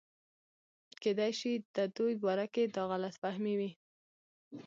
کېدے شي دَدوي باره کښې دا غلط فهمي وي